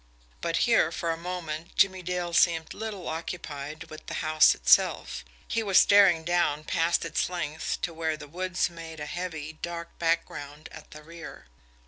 But here, for a moment, Jimmie Dale seemed little occupied with the house itself he was staring down past its length to where the woods made a heavy, dark background at the rear.